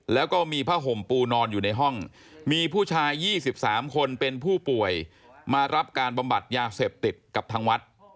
แล้วก็มีผ้าห่มปูนอนอยู่ในห้องมีผู้ชาย๒๓คนเป็นผู้ป่วยมารับการบำบัดยาเสพติดกับทางวัด